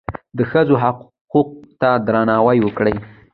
د ښځو حقوقو ته درناوی وکړئ